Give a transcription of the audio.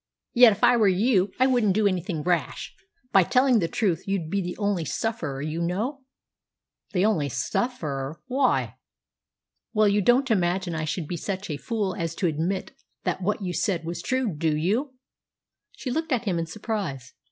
Yet if I were you I wouldn't do anything rash. By telling the truth you'd be the only sufferer, you know." "The only sufferer! Why?" "Well, you don't imagine I should be such a fool as to admit that what you said was true, do you?" She looked at him in surprise.